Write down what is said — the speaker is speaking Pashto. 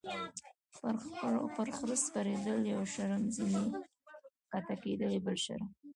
- پر خره سپرېدل یو شرم، ځینې کښته کېدل یې بل شرم.